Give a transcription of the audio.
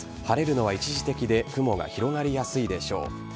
晴れるのは一時的で、雲が広がりやすいでしょう。